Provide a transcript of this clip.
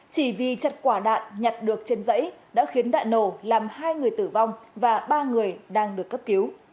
chỉ vì chặt quả đạn nhặt được trên dãy đã khiến đại nổ làm hai người tử vong và ba người đang được cấp cứu